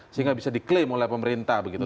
sehingga bisa diklaim oleh pemerintah begitu